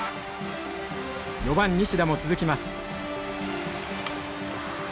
４番西田も続きます。